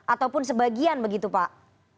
ataupun sebagian begitu pak